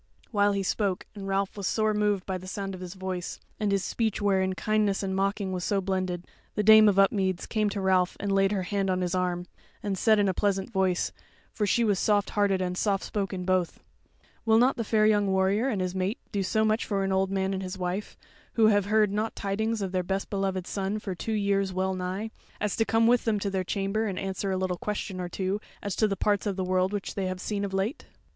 While he spoke, and Ralph was sore moved by the sound of his voice, and his speech wherein kindness and mocking was so blended, the Dame of Upmeads came to Ralph and laid her hand on his arm, and said in a pleasant voice, for she was soft hearted and soft spoken both: "Will not the fair young warrior and his mate do so much for an old man and his wife, who have heard not tidings of their best beloved son for two years well nigh, as to come with them to their chamber, and answer a little question or two as to the parts of the world they have seen of late?"